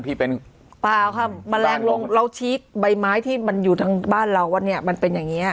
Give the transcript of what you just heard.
ที่เป็นเปล่าค่ะแมลงเราชี้ใบไม้ที่มันอยู่ทางบ้านเราว่าเนี้ยมันเป็นอย่างเงี้